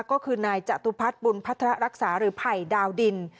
ก็คือนายจตุพัฒน์บุญพัฒนารักษาหรือไผ่ดาวดิน